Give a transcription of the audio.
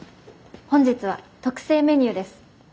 本日は特製メニューです。